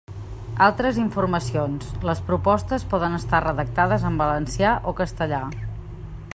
Altres informacions: les propostes poden estar redactades en valencià o castellà.